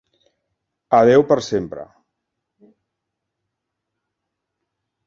Adéu per sempre.